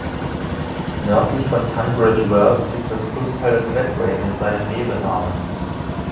Nördlich von Tunbridge Wells liegt das Flusstal des Medway mit seinen Nebenarmen.